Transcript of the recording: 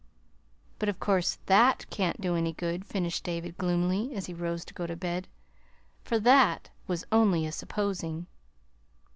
But of course, THAT can't do any good," finished David gloomily, as he rose to go to bed, "for that was only a 'supposing.'"